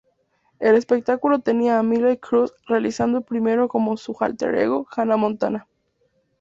El espectáculo tenía a Miley Cyrus realizando primero como su alter ego, Hannah Montana.